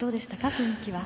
雰囲気は。